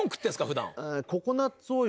普段。